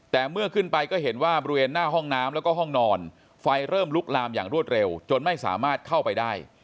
แต่เมื่อขึ้นไปก็เห็นว่าบริเวณหน้าห้องน้ำแล้วก็ห้องนอนไฟเริ่มลุกลามอย่างรวดเร็วจนไม่สามารถเข้าไปได้